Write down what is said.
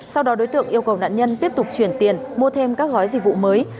sau đó đối tượng yêu cầu nạn nhân tiếp tục chuyển tiền mua thêm các gói dịch vụ mới